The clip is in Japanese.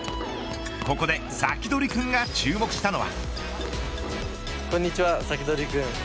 ここでサキドリくんが注目したのは。